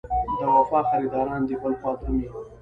د وفا خریداران دې بل خوا درومي.